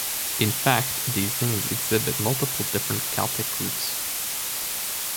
In fact these names exhibit multiple different Celtic roots.